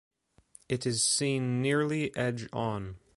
It is seen nearly edge-on.